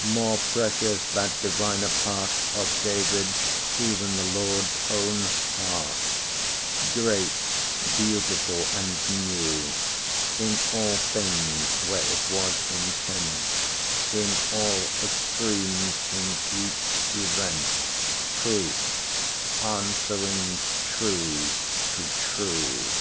More precious that diviner partOf David, even the Lord's own heartGreat, beautiful, and new; In all things where it was intent, In all extremes, in each event, Proof—answering true to true.